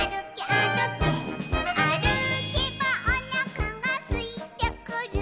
「あるけばおなかがすいてくる」